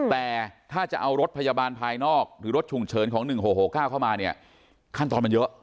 แต่ถ้าจะเอารถพยาบาลภายนอกหรือรถฉุกเฉินของ๑๖๖๙เข้ามาเนี่ยขั้นตอนมันเยอะ